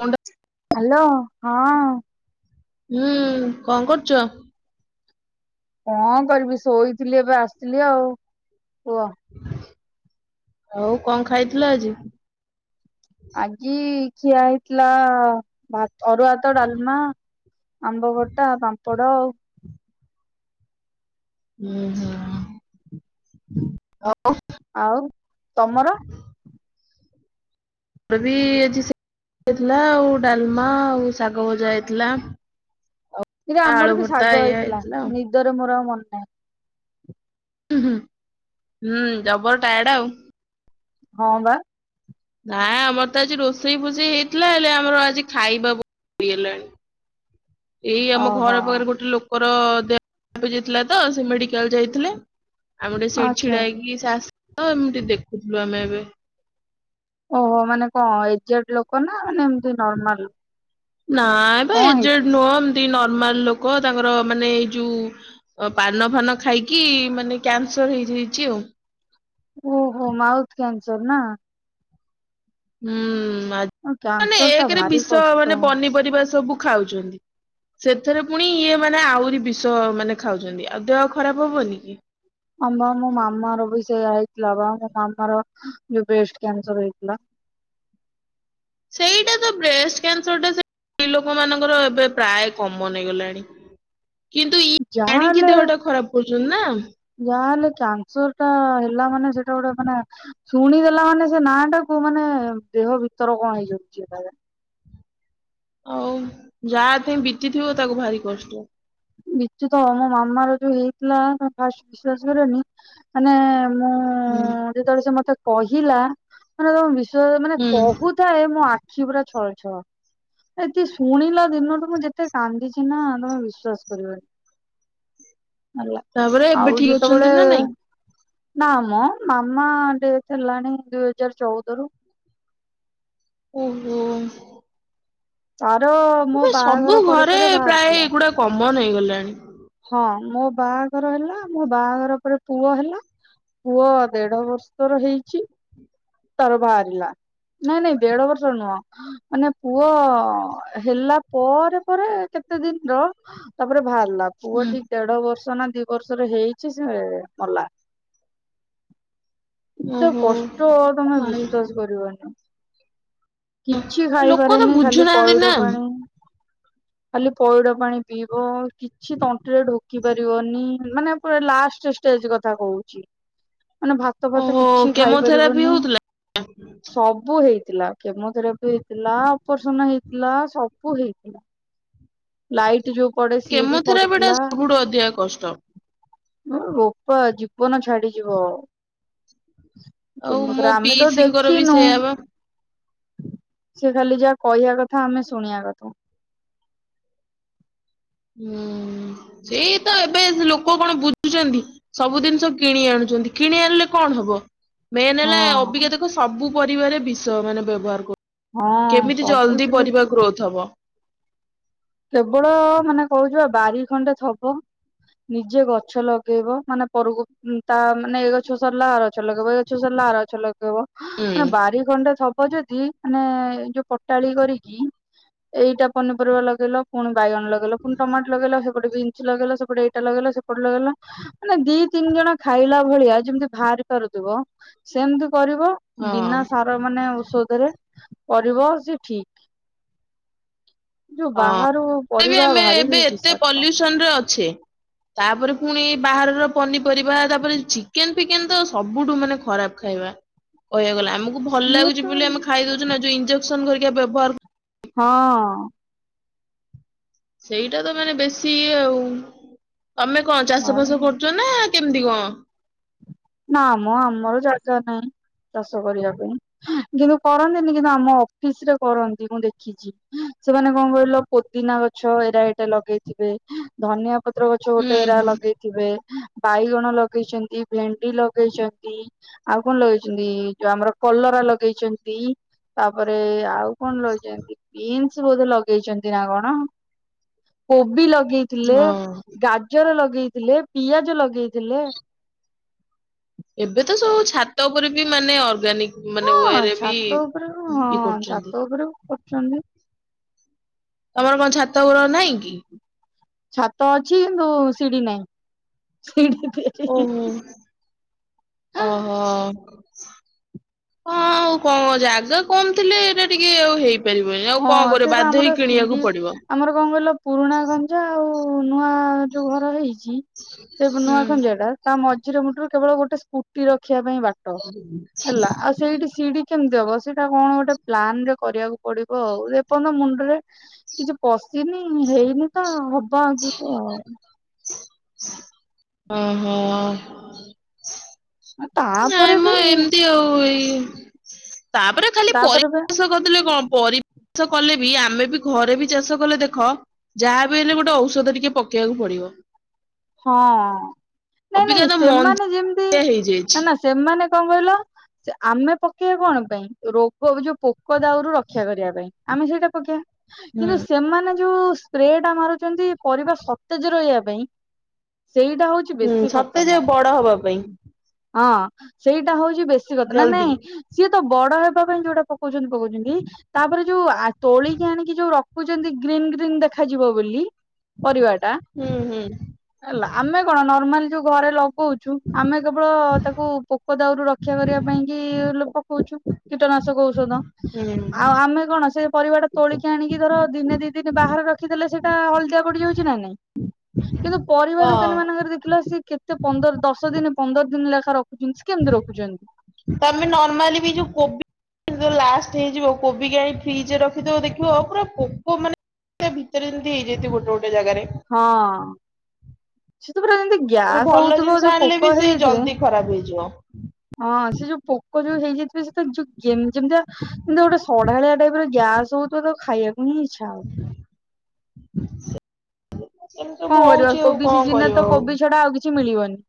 ମୁଣ୍ଡ ହାଲୋ ହଁ। ହୁଁ କଣ କରୁଛ? କଣ କରିବି ଶୋଇଥିଲି ଏବେ ଆସିଲି ଆଉ କୁହ? ଆଉ କଣ ଖାଇଥିଲ ଆଜି? ଆଜି ଖିଆ ହେଇଥିଲା ଭା ଅରୁଆ ଭାତ ଡାଲମା। ଆମ୍ବ ଖଟା ପାମ୍ପଡ଼ ଆଉ। ହୁଁ। ମୋର ଆଉ ତମର? ବି ଆଜି ସେ। ହେଇଥିଲା ଆଉ ଡାଲମା ଆଉ ଶାଗ ଭଜା ହେଇଥିଲା। ଇରେ ଆଳୁ ଆମର ବି ଭର୍ତ୍ତା ଶାଗ ଏଇଆ ହେଇଥିଲା ଆଉ ନିଦରେ ମୋର ଆଉ ମନ ନାହିଁ। ଉଁ ହୁଁ ଜବର ଟାୟଡ ଆଉ। ହଁ ବା। ନାଇଁ ଆମର ତ ଆଜି ରୋଷେଇ ଫୋଷେଇ ହେଇଥିଲା ହେଲେ ଆମର ଆଜି ଖାଇବା ବ ହେଲାଣି। ଏଇ ଆମ ଓହୋ ଘର ପାଖରେ ଗୋଟେ ଲୋକର ଦେହ ଯାଇଥିଲା ତ ସେ ମେଡିକାଲ ଯାଇଥିଲେ। ଆମେ ଟିକେ ସେଇଠି ଆଚ୍ଛା ଛିଡା ହେଇକି ସେ ଆସିଲେ ତ ଆମେ ଟିକେ ଦେଖୁଥିଲୁ ଆମେ ଏବେ। ଓହୋ ମାନେ କଣ ଏଯେଡ ଲୋକ ନା ମାନେ ଏମତି ନର୍ମାଲ ଲୋକ? ନାଁ ବେ ଏ ଜେଡ ନୁହେଁ, ଏମିତି ନିର୍ ନରମାଲ ଲୋକ ତାଙ୍କର ମାନେ ଏଇ ଯୋଉ ପାନ ଫାନ ଖାଇକି ମାନେ କ୍ୟାନସର ହେଇ ହେଇଛି ଆଉ। ଓହୋ ମାଉଥ କ୍ୟାନ୍ସର ନା? ହୁଁ ଆ ମାନେ କ୍ୟାନସର ଟା ଏକରେ ଭାରି ବିଷ ମାନେ କଷ୍ଟ ପନିପରିବା ସବୁ। ଖାଉଛନ୍ତି? ସେଥିରେ ପୁଣି ଇଏ ମାନେ ଆହୁରି ବିଷ ମାନେ ଖାଉଛନ୍ତି ଆଉ ଦେହ ଖରାପ ହବନି କି? ହଁ ବା ମୋ ମାମା ର ବି ସେଇୟା ହେଇଥିଲା ବା ମୋ ମାମା ର। ଯୋଉ ବ୍ରେଷ୍ଟ କ୍ୟାନ୍ସର ହେଇଥିଲା। ଏଇଟା ତ ବ୍ରେଷ୍ଟ କ୍ୟାନସର ଟା ସେ। ସ୍ତ୍ରୀ ଲୋକ ମାନଙ୍କର ଏବେ ପ୍ରାୟ କମନ୍ ହେଇଗଲାଣି। କିନ୍ତୁ ଇଏ ଯାହା ଜାଣିକି ହେଲେ ଦେହଟା ଖରାପ କରୁଛନ୍ତି ନା। ଯା ହେଲେ କାନ୍ସର ଟା ହେ ଲା ମାନେ ସେଟା ଗୋଟେ ମାନେ ଶୁଣିଦେଲା ମାନେ ସେ ନାଁ ଟାକୁ ମାନେ ଦେହ ଭିତର କଣ ହେଇଯାଉଛି? [unintelligible] ଆଉ ଯା ଥେଇ ବିତିଥିବ ତାକୁ ଭାରି କଷ୍ଟ? ବିତୁଥିବ ମୋ ମାମ ର ଯୋଉ ହେଇଥିଲା ପାଷ୍ଟ ବିଶ୍ଵାସ କରିବନି ମାନେ? ମୁଁ ହୁଁ ଯେତେବେଳେ ସେ ମତେ କହିଲା ମାନେ ତମେ ବି ସେ ମାନେ ହୁଁ। କହୁଥାଏ ମୋ ଆ ଖି ପୁରା ଛଳ ଛଳ ବାକି ଶୁଣିଲା ଦିନଠୁ ମୁଁ ଯେତେ କାନ୍ଦିଛି ନା ତମେ ବିଶ୍ଵାସ। କରିବେନି ହେଲା ତାପରେ ଏବେ ଆଉ ଠିକ ଅଛନ୍ତି ଯେତେବେଳେ। ନା ନାଇଁ? ନା ମ ମାମା ଡେଥ୍ ହେଲାଣି ଦୁଇ ହଜାର ଚଉଦ ରୁ। ଓ ହୋ। ତାର ମୋ ଏବେ ସବୁ ବାହାଘର ପରେ ଘରେ ପରେ ପ୍ରାୟ ବାହାରିଥିଲା ଏଗୁଡା କମନ ହେଇଗଲା। ହଁ ମୋ ବାହାଘର ହେଲା ମୋ ବାହାଘର ପରେ ପୁଅ ହେଲା। ପୁଅ ଦେଢ ବର୍ଷର ହେଇଛି ତାର ବାହାରିଲା। ନାଇଁ ନାଇଁ ଦେଢ ବର୍ଷ ନୁହଁ ମାନେ ପୁଅ ହେଲା ପରେ ପରେ କେ ତେ ଦିନ ର ତାପରେ ବାହାରିଲା ପୁଅ ହୁଁ ଠିକ ଦେଢ ବର୍ଷ ସୂଚନା ଦି ବର୍ଷରେ ହେଇଛି ସେ ମଲା। ଏତେ ଓହୋ କଷ୍ଟ ତମେ ମାଲ ବିଶ୍ଵାସ କରିବନି। କିଛି ଲୋକ ତ ଖାଇପାରେନି ଖାଲି ବୁଝୁନାହାନ୍ତି ପଇଡ ନା। ପାଣି ଖାଲି ପଇଡ ପାଣି ପିଇବ କିଛି ତଣ୍ଟିରେ ଢୋକି ପାରିବନି ମାନେ ପୁରା ଲାଷ୍ଟ ଷ୍ଟେଜ କଥା କହୁଛି। ମାନେ ଭାତ ଫାତ ଓହୋ କିଛି କେମୋଥେରାପି ଖାଇପାରିବନି ହଉଥିଲା ସବୁ ହେଇ କେମୋଥେରାପି ହେଇଥିଲା ଅପରସନ ହେଇଥିଲା ସବୁ ହେଇଥିଲା। ଲାଇଟ୍ ଯୋଉ ପଡେ ସିଏ ବି କେମୋଥେରାପି ଟା ପଡିଥିଲା। ସବୁଠୁ ଅଧିକା କଷ୍ଟ। ରୋପା ଜୀବନ ଛାଡିଯିବ। ଆଉ ମୋ କେମୋଥେରା ଆମେ ତ ପିଇସିଙ୍କର ବି ଦେଖିନୁ। ସେଇଆ ବା। ସେ ଖାଲି ଯାହା କହିବା କଥା ଆମେ ଶୁଣିବା କଥା। ହୁଁ ସେଇ ତ ଏବେ ସେ ଲୋକ କଣ ବୁଝୁଛନ୍ତି ସବୁ ଜିନିଷ କିଣି ଆଣୁଛନ୍ କିଣି ଆଣିଲେ କଣ ହବ? ମେନ୍ ହେଲା ହଁ। ଅଭିଜ୍ଞତାକୁ ସବୁ ପରିବାରେ ବିଷ ମାନେ ବ୍ୟବହାର କରୁ ହଁ କେମିତି ଜଲ୍ଦି ସବୁଥିରେ ପରିବା ଗ୍ରୋଥ ହବ? କେବଳ ମାନେ କହୁଛ ବାରି ଖଣ୍ଡେ ଥବ ନିଜେ ଗଛ ଲଗେଇବ ମାନେ ପରକୁ ତା ମାନେ ଏଇ ଗଛ ସରିଲା ଆ ଗଛ ଲଗେଇବ ଏଇ ଗଛ ସରିଲ ରଛ ଲଗେଇବ ମାନେ ହୁଁ ବାରି ଖଣ୍ଡେ ଥବ ଯେ ଦି ମାନେ ଏ ଯୋଉ ପଟାଳି କରିକି ଏଇଟା ପନିପରିବା ଲଗେଇଲ ପୁଣି ବାଇଗଣ ଲଗେଇଲ ପୁଣି ଟମାଟ ଲଗେଇଲ ସେ ଗଟେ ଲଗେଇଲା ସେପଟେ ଏଇଟା ଲଗେଇଲା ସେପଟେ ଲଗେଇଲା ମାନେ ଦି ତିନି ଜଣ ଖାଇଲା ଭଳିଆ ଯେମିତି ବାହାରି ପାରୁ ସେମିତି କରିବ ହଁ ବିନା ସାର ମାନେ ଔଷଧରେ କରିବ ସେ ଠିକ। ଯୋଉ ବାହାରୁ ହଁ ପରିବା ଆମେ ଭାରି ଏବେ ଏତେ ବିଷାକ୍ତ ପଲ୍ୟୁସନ ରେ ଅଛେ ତାପରେ ପୁଣି ବାହାରର ପନିପରିବା ତାପରେ ଚିକେନ ଚିକେନ ତ ସବୁଠୁ ମାନେ ଖରାପ ଖାଇବା କହିବାକୁ ଗଲା। ଆମକୁ ଭଲ ସିଏ ତ ଲାଗୁଛି ବୋଲି ଆମେ ଖାଇ ଦଉଛୁ ନା ଯଉ ଇଞଜେକ୍ସନ ହେରିକ ବ୍ୟବହାର ହଁ। ସେଇଟା ତ ମାନେ ବେଶୀ ଆଉ ତମେ କଣ ଚାଷ ଫାସ କରୁଛ ନା କେମିତି କଣ? ନା ମୁଁ ଆମର ଜାଗା ନାହିଁ। ଚାଷ କରିବା ପାଇଁ, କିନ୍ତୁ କରନ୍ତିନି କିନ୍ତୁ ଆମ ଅଫିସ ରେ କରନ୍ତି ମୁଁ ଦେଖିଛି। ସେମାନେ କଣ କହିଲ ପୋଦିନା ଗଛ ଏରା ଏଇଟା ଲଗେଇଥିବେ ଧନିଆ ପତ୍ର ଗଛ ହୁଁ ଗୋଟେ ଏରା ହୁଁ ଲଗେଇଥିବେ ବାଇଗଣ ଲଗେଇଛନ୍ତି ଭେଣ୍ ଡି ଲଗେଇଛନ୍ତି ଆଉ କଣ ଲଗେଇଛନ୍ତି ଯୋଉ ଆମର କଲରା ଲଗେଇଛନ୍ତି। ତାପରେ ଆଉ କଣ ଲଗେଇଛନ୍ତି ବିନ୍ସ ବୋଧେ ଲଗେଇଛନ୍ତି ନା କଣ କୋବି ଲଗେ ଗେଇଥିଲେ ହଁ ଗାଜର ଲଗେଇଥିଲେ ପିଆଜ ଲଗେଇଥିଲେ। ଏବେ ତ ସବୁ ଛାତ ଉପରେ ବି ମାନେ ଅର୍ଗାନିକ। ମାନେ ହଁ ୱେରେ ବି ଛାତ ଉପରେ ହଁ ଇଏ କରୁଛନ୍ତି ଛାତ ଉପରେ କରୁଛନ୍ତି। ତମର କଣ ଛାତ ଉପର ନାଇଁ କି? ଛାତ ଅଛି କିନ୍ତୁ ସିଡି ନାହିଁ ଶିଢୀ ଓହୋ ଓହୋ। ହଁ ଆଉ କଣ ଜାଗା କମ ଥିଲେ ଏଇଟା ଟିକେ ଆଉ ହେଇ ହେଇ ପାରିବନି ଆଉ କଣ ହଁ ସେ କରିବ ବା ବାଧ୍ୟ ଆମର ହେଇ ସିଡି କିଣିବାକୁ ପଡିବ। ଆମର କଣ କହିଲ ପୁରୁଣା ଖନଯା ଆଉ ନୂଆ ଯୋଉ ଘର ହେଇ ଚି ସେ ହୁଁ। ନୂଆଖଞ୍ଜା ଟା ତା ମଝିରେ ମୁଟୁରେ କେବଳ ଗୋଟେ ସ୍କୁଟି ରଖି ଦେଖିବା ପାଇଁ ବାଟ ହେଲା ଆଉ ସେଇଠି ସିଡି କେମିତି ହବ ସେଇଟା କଣ ଗୋଟେ ପ୍ଲାନ ରେ କରିବାକୁ ପଡିବ। ଉ ଏପର୍ଯ୍ୟ ମୁଣ୍ଡରେ କିଛି ପଶିନି ହେଇନି ତ [unintelligible] ଓ ହୋ। ନାଇଁ ତାପରେ ମ ବି ଏମିତି ଆଉ ଏ ତାପରେ ଖାଲି ତାପରେ ବି ପରିବେଶ କରିଦଲେ କଣ ପରି। ଚାଷ କଲେ ବି ଆମେ ବି ଘରେ ବି ଚାଷ କଲେ ଦେଖ ଯାହାବି ହେଲେ ଗୋଟେ ଔଷଧ ଟିକେ ପକେଇବାକୁ ପଡିବ। ହଁ ନାଇଁ ଅବିକା ନାଇଁ ତ ସେମାନେ ମଞ୍ଜିଆ ଯେମିତି ହେଇଯାଇଛି। ସେମାନେ କଣ କହିଲ ସେ ଆମେ ପକେଇବା କଣ ପାଇଁ ରୋଗ ଯୋଉ ପୋକ ଦାଉରୁ ରକ୍ଷା କରିବା ପାଇଁ ଆମେ ସେଇଟା ପକେଇବା ହୁଁ କିନ୍ତୁ ସେମାନେ ଯୋଉ ସ୍ପ୍ରେ ଟା ମାରୁଛନ୍ତି ପରିବା ସତେଜ ରହିବା ପାଇଁ ସେଇଟା ହଉଛି ହୁଁ ବେଶୀ ସତେଜ ଖତରନାକ। ବଡ ହବା ପାଇଁ ହଁ ସେଇଟା ହଉଛି ବେଶୀ ଖତରନାକ ନା ଜଲଦି। ନାଇଁ ସିଏ ତ ବଡ ହେବା ପାଇଁ ଯୋଉଟା ପକଉଛନ୍ତି ପକଉଛନ୍ତି ତାପରେ ଯୋଉ ତୋଳିକି ଆଣିକି ଯୋଉ ରକ୍ କହୁଛନ୍ତି ଗ୍ରୀନ୍ ଗ୍ରୀନ୍ ଦେଖାଯିବ ବୋଲି ପରିବାରେ ହୁଁ ହୁଁ। ହେଲା ଆମେ କଣ ନର୍ମାଲି ଯୋଉ ଘରେ କହୁଛୁ ଆମେ କେବଳ ତାକୁ ପୋକ ଦାଉରୁ ର ରକ୍ଷା କରିବା ପାଇଁ କି ପକଉଛୁ କୀଟନାଶକ ଔଷଧ ହୁଁ ଆଉ ଆମେ କଣ ସେ [unintelligible] ତୋଳିକି ଆଣିକି ଧର ଦିନେ ଦି ଦିନ ବାହାରେ ରଖିଦେଲେ ସେଇଟା ହଳଦିଆ ପଡ଼ି ଯାଉଛି ନା ନାଇଁ। କିନ୍ତୁ ପରିବା ହଁ। ଦୋକାନୀ ମାନଙ୍କରେ ଦେଖିଲ ସ କେତେ ପନ୍ଦର ଦଶ ଦିନ ପନ୍ଦର ଦିନ ଲେଖା ରଖ୍। ତମେ ନର୍ମାଲି ବି ଯୋଉ କୋବି ଲାସ୍ ଟ୍ ହେଇଯିବ କୋବି ଆଣି ଫ୍ରିଜରେ ରଖିଥିବ ଦେଖିବ ଆଉ ପୁରା ପୋକ ମାନେ ତା ଭିତରେ ଯେମିତି ହେଇଯାଇଥିବେ ଗୋଟେ ଗୋଟେ। ଜାଗାରେ। ତମେ ହଁ। ତା ପରେ ଯେମତି ଗ୍ୟାସ ଭଲ ହଉଥିବ ଜିନିଷ ଯୋଉ ଆଣିଲେ ପୋକ ବି ସେ ହେଇଯାଇଥିବେ ଜଲ୍ଦି ଖରାପ ହେଇଯିବ। ହଁ ସେ ପୋକ ଯୋଉ ହେଇଯାଇଥିବେ ସେ ତ ଯୋଉ ଯେମିତିକା ଗୋଟେ ସଢାଳିଆ ଟାଇପ ର ଗ୍ୟାସ ହଉଥିବ ତାକୁ ଖାଇବାକୁ ହିଁ ଇଚ୍ଛା ହବନି। ଏମିତି କଣ ସବୁ କରିବା ହଉଛି ଆଉ କୋବି କଣ ସିଜିନ୍ ରେ କରିବ ତ ଆଉ କୋବି ଛଡା ଆଉ କିଛି ମିଳିବନି।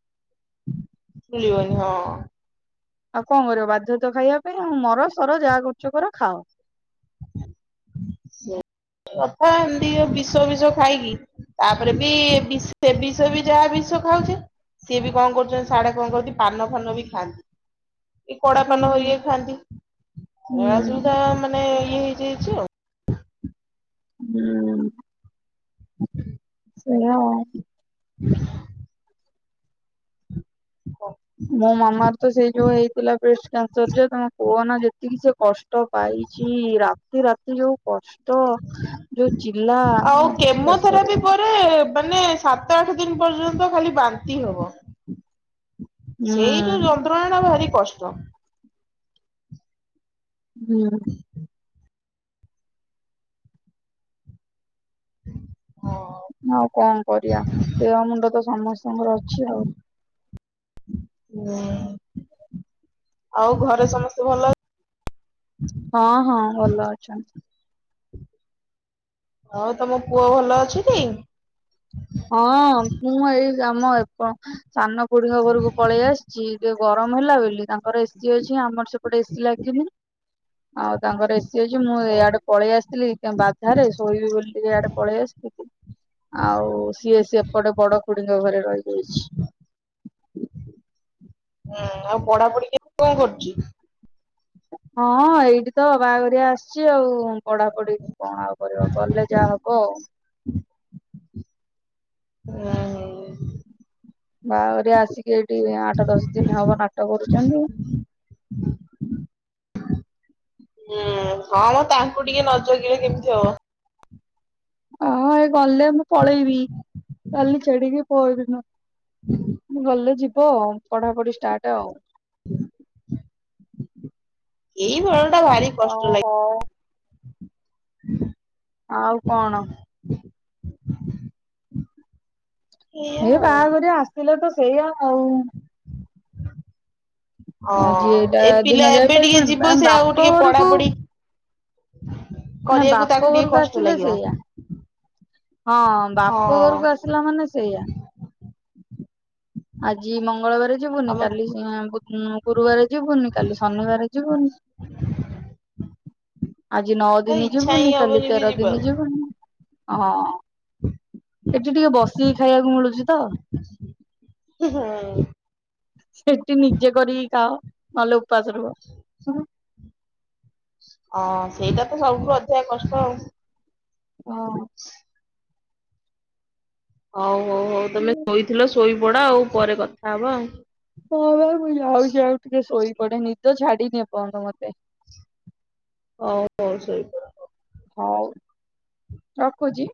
ମିଳିବନି ହଁ। ଆଉ କଣ କରିବ ବାଧ୍ୟତ ଖାଇବା ପାଇଁ ଆଉ ମର ସର ଯାହା କରୁଛ କର ଖାଅ। [unintelligible] କଥା ଏତି ବିଷ ବିଷ ଖାଇକି। ତାପରେ ବି ବିଷ ବି ଯାହା ବିଷ ଖାଉଛେ। ସିଏ ବି କଣ କରୁଛନ୍ତି, ସାଡେ କଣ କରୁଛି ପାନ ଫାନ ବି ଖାଆନ୍ତି। କଡା ପାନ ହୁଁ ହ ଖାଆନ୍ତି ସେ ହୁଁ ଯୋଉଟା ମାନେ। [unintelligible] ହେଇଯାଇଚି ଆଉ। ହୁଁ। ଏୟା ଆଉ। [unintelligible] ମୋ ମାମାର ତ ସେଇ ଯୋଉ ହେଇଥିଲା ବ୍ରେଷ୍ଟ କ୍ୟାନସର ଯେ ତମେ କୁହ ନା ତିକି ସେ କଷ୍ଟ ପାଇଛି ରାତି ରାତି ଯୋଉ କଷ୍ଟ ଯୋଉ ଚିଲ୍ଲା ଆଉ ତମେ ବିଶ୍ୱାସ କେମୋଥେରାପି କରିବନି। ପରେ ମାନେ ସାତ ଆଠ ଦିନ ପର୍ଯ୍ୟନ୍ତ ଖାଲି ବାନ୍ତି ହବ। ହୁଁ ସେଇ ଯୋଉ ଯନ୍ତ୍ରଣା ଟା ଭାରି କଷ୍ଟ। ହୁଁ। [unintelligible] ଆଉ କଣ କରିବା ଦେହ ମୁଣ୍ଡ ତ ସମସ୍ତଙ୍କର ଅଛି ଆଉ। ହୁଁ ଆଉ ଘରେ ସମସ୍ତେ ଭଲ? ହଁ ହଁ ଭଲ ଅଛନ୍ତି। ହଉ ତମ ପୁଅ ଭଲ ଅଛିଟି? ହଁ ମୁଁ ଏଇ ଆମ ସାନ ଖୁଡିିଙ୍କ ଘରକୁ ପଳେଇ ଆସିଛି ଗରମ ହେଲା ବୋଲି ତାଙ୍କର ଏସି ଅଛି ଆମର ସେପଟେ ଏସି ଲାଗିନି। ଆଉ ତାଙ୍କର ଏସିି ଅଛି ମୁଁ ହୁଁ ଏଇଆଡେ ପଳେଇ ଆସିଥିଲି, ବାଧାରେ ଶୋଇବି ବୋଲି ଟିକେ ଆଡେ ପଳେଇ ଆସିଲି। ଆଉ ସିଏ ସେପଟେ ବଡ ଖୁଡିଙ୍କ ଘରେ ରହିଯାଇଛି। ହୁଁ ଆଉ ପଢାପଢି କେମିତି କଣ କରୁଚି? ହଁ ଏଇଠି ତ ବାହାଘରିଆ ଆସିଛି ଆଉ ପଢାପଢି କଣ ଆଉ କରିବା ଗଲେ ଯାହା ହବ ଆଉ। ହୁଁ ହୁଁ। ବାହାଘରିଆ ଆସିକି ଏଇଠି ଆଠ ଦଶ ଦିନ ହବ ନାଟ କରୁଛନ୍ତି। [inaudible] ହଁଁ ମ ତାଙ୍କୁ ଟିକେ ନଜଗିଲେ କେମିତି ହବ। ହଁ ଏଇ ଗଲେ ମୁଁ ପଳେଇବି କାଲି ଛାଡିକି ପରଦିନ ମୁଁ ଗଲେ ଯିବି ହଁ ପଢାପଢି ଷ୍ଟାର୍ଟ ଆଉ। [inaudible] ଏଇ ଘରର ଓ ହୋ। [unintelligible] ଆଉ କଣ? [unintelligible] ଏଇଆ ଏ ଆଉ। ବାହାଘରିଆ ଆସିଥିଲେ ତ ସେଇଆ ଆଉ ହଁ ଆଜି ଏଇଟା ଏ ଦିନ ପିଲା ଏବେ ଟିକେ ଯିବ ଯାଇପାରିବନି ସେ ଆଉ ବାପ ଟିକେ ଘରକୁ ପଢାପଢି ମାନେ କରିବାକୁ ତାକୁ ବାପ ଟିକେ ଘରକୁ କଷ୍ଟ ଆସିଥିଲେ ଲାଗିବ ସେଇୟା। ହଁ ବାପ ଘରକୁ ହଁ ଆସିଲା ମାନେ ସେଇଆ। ଆଜି ମଙ୍ଗ୍ ମଙ୍ଗଳବାର ଯିବୁନି, ତମେ କାଲି ଉଁ ଉଁ ଗୁରୁବାର ଯିବୁନି, କାଲି ଶନିବାର ଯିବୁନି। ଆଜି ନଅ ତ ଦିନ ଇଚ୍ଛା ହିଁ ଯିବୁନି, କାଲି ହବନି ବି ତେର ଦିନ ଯିବାକୁ। ଯିବୁନି। ହଁ ଏଠି ଟିକେ ବସିକି ଖାଇବାକୁ ମିଳୁଛି ତ। ସେଠି ନିଜେ କରିକି ଖାଅ ନହେଲେ ଉପ ଉପାସ୍ ରୁହ। [unintelligible] ହଁ, ସେଇଟା ତ ସବୁଠୁ ଅଧିକା କଷ୍ଟ ଆଉ। ହଁ [unintelligible] ହଉ ହଉ ହଉ ତମେ ହୁଁ ଶୋଇଥିଲ ଶୋଇପଡ ଆଉ ପରେ କଥା ହବା ଆଉ। ହଁ ପା, ମୁଁ ଯାଉଛି ଆଉ ଟିକେ ଶୋଇବି। କଡେ ନିଦ ଛାଡିନି ଏପର୍ଯ୍ୟନ୍ତ ମୋତେ। [inaudible] ହଉ ହଉ ଶୋଇପଡ଼। ହଉ ରଖୁଛି।